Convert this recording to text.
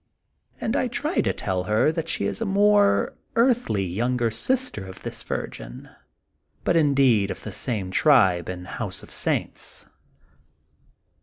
And I try to tell her that she is a more earthly younger sister of this virgin, but indeed of the same tribe and house of saints.